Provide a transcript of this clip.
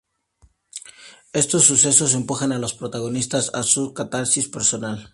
Estos sucesos empujan a los protagonistas a su catarsis personal.